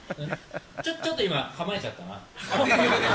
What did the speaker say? ちょっと今、構えちゃった？